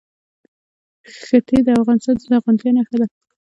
ښتې د افغانستان د زرغونتیا نښه ده.